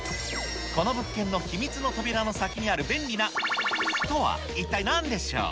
この物件の秘密の扉の先にある便利な×××とは、一体なんでしょう。